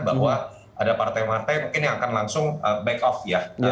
bahwa ada partai partai mungkin yang akan langsung back off ya